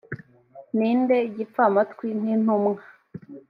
ni nde gipfamatwi nk intumwa